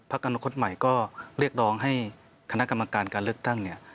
กอนาคตใหม่ก็เรียกร้องให้คณะกรรมการการเลือกตั้งเนี่ย